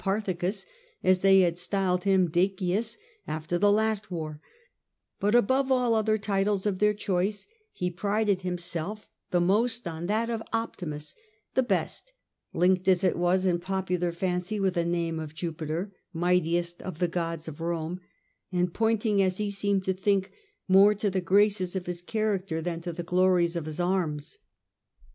Parthicus as they had styled him Dacius after the last war, but above all other titles of their choice he prided himself the most on that of Optimus (the Best), linked as it was in popular fancy with the name of Jupiter, mightiest of the gods of Rome, and pointing as he seemed to think more to the graces of his character than to the glories of his arms.